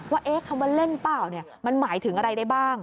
ว่าคำว่าเล่นเปล่ามันหมายถึงอะไรได้บ้าง